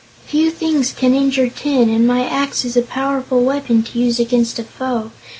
"Few things can injure tin, and my axe is a powerful weapon to use against a foe.